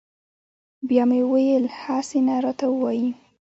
بیا مې ویل هسې نه راته ووایي.